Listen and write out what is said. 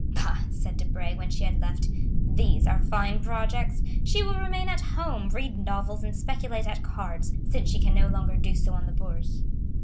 "Bah," said Debray, when she had left, "these are fine projects! She will remain at home, read novels, and speculate at cards, since she can no longer do so on the Bourse."